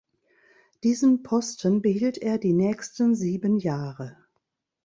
Diesen Posten behielt er die nächsten sieben Jahre.